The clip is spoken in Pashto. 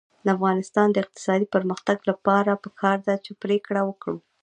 د افغانستان د اقتصادي پرمختګ لپاره پکار ده چې پرېکړه وکړو.